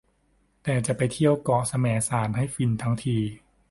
แต่จะไปเที่ยวเกาะแสมสารให้ฟินทั้งที